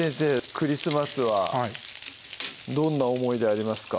クリスマスはどんな思い出ありますか？